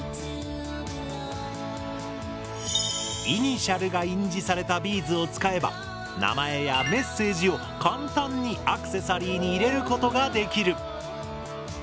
イニシャルが印字されたビーズを使えば名前やメッセージを簡単にアクセサリーに入れることができる。